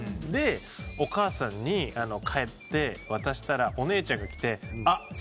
でお母さんに帰って渡したらお姉ちゃんが来て「あっ。